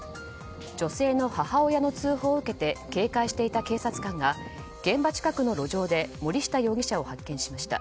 女性の母親の通報を受けて警戒していた警察官が現場近くの路上で森下容疑者を発見しました。